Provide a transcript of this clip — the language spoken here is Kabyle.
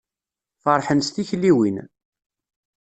Ferḥen s tikliwin.